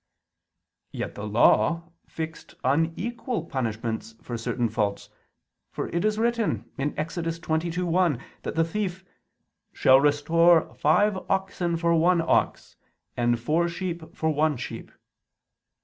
Yet the Law fixed unequal punishments for certain faults: for it is written (Ex. 22:1) that the thief "shall restore five oxen for one ox, and four sheep for one sheep."